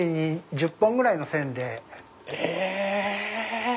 え！